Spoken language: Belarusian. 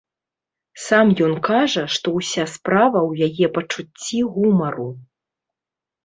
Сам ён кажа, што ўся справа ў яе пачуцці гумару.